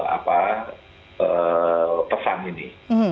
apa pesan ini